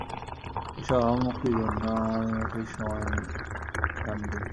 ঐসব আহাম্মকির জন্য আমার মোটেই সময় নেই, জানবে।